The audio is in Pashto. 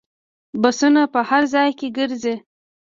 بسونه په هر ځای کې ګرځي.